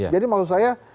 jadi maksud saya